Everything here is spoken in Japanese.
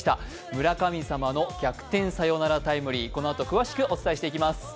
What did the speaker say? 村神様の逆転サヨナラタイムリー、このあと、詳しくお伝えしていきます。